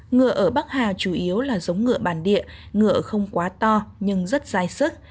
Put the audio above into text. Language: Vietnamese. ngựa ở bắc hà chủ yếu là giống ngựa bản địa ngựa không quá to nhưng rất dai sức